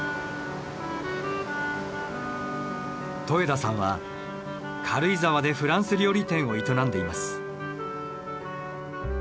戸枝さんは軽井沢でフランス料理店を営んでいます。